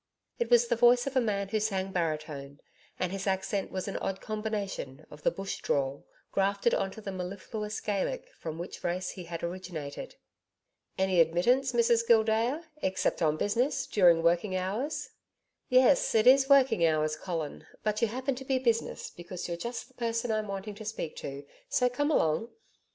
It was the voice of a man who sang baritone, and his accent was an odd combination of the Bush drawl grafted on to the mellifluous Gaelic, from which race he had originated. 'Any admittance, Mrs Gildea, except on business, during working hours?' 'Yes, it is working hours Colin, but you happen to be business because you're just the person I'm wanting to speak to, so come along.'